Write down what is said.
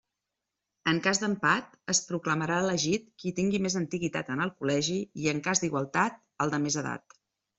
En cas d'empat, es proclamarà elegit qui tingui més antiguitat en el Col·legi i en cas d'igualtat, el de més edat.